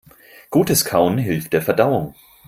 Gutes Kauen hilft der Verdauung.